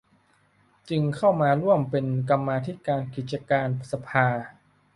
จึงเข้ามาร่วมเป็นกรรมาธิการกิจการสภา